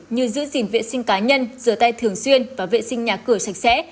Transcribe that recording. như giữ gìn vệ sinh cá nhân rửa tay thường xuyên và vệ sinh nhà cửa sạch sẽ